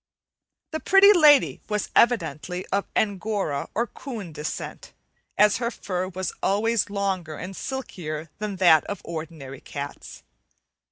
The Pretty Lady was evidently of Angora or coon descent, as her fur was always longer and silkier than that of ordinary cats.